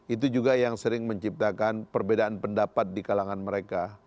itu juga yang sering menciptakan perbedaan pendapat di kalangan mereka